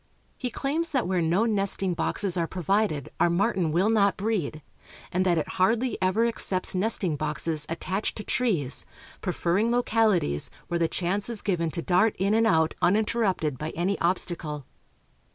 He claims that where no nesting boxes are provided our martin will not breed, and that it hardly ever accepts nesting boxes attached to trees, preferring localities where the chance is given to dart in and out uninterrupted by any obstacle.